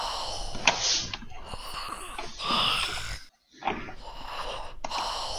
Es la principal estación del municipio y un importante nudo ferroviario de la red.